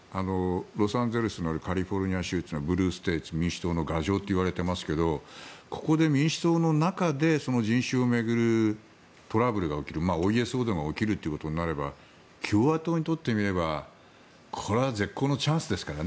ロサンゼルスのカリフォルニア州はブルーステート民主党の牙城って言われていますがここで民主党の中で人種を巡るトラブルが起きるお家騒動が起きるということになれば共和党にとってみればこれは絶好のチャンスですから。